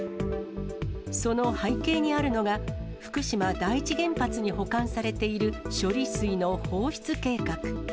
その背景にあるのが、福島第一原発に保管されている処理水の放出計画。